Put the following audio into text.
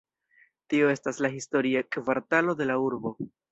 Tio estas la historia kvartalo de la urbo.